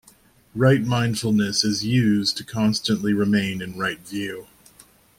Right mindfulness is used to constantly remain in right view.